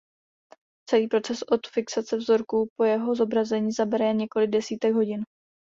Celý proces od fixace vzorku po jeho zobrazení zabere jen několik desítek hodin.